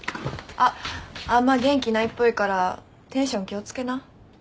あっあんま元気ないっぽいからテンション気を付けな。